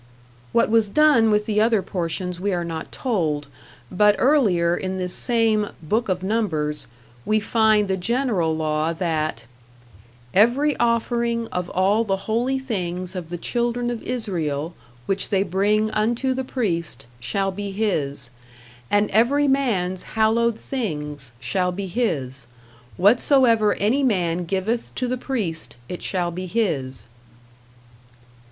What was done with the other portions we are not told; but earlier in this same "Book of Numbers" we find the general law that Every offering of all the holy things of the children of Israel, which they bring unto the priest, shall be his. And every man's hallowed things shall be his: whatsoever any man giveth to the priest, it shall be his.